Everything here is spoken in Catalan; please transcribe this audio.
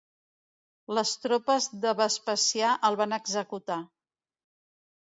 Les tropes de Vespasià els van executar.